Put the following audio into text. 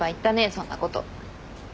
そんなこと。